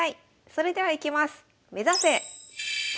それではいきます。